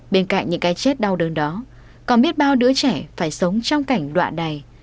bên cạnh những cái chết đau đớn đó còn biết bao đứa trẻ phải sống trong cảnh đọa đầy